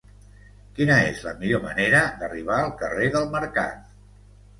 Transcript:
Quina és la millor manera d'arribar al carrer del Mercat?